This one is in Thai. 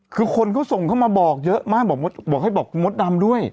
คือคนเขาส่งเข้ามาบอกเยอะมากบอกให้บอกมดดำด้วย